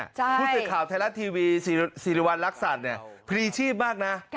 พูดจากข่าวไทยรัฐทีวีศิริวัณลักษณ์เนี่ยพลีชีพมากนะ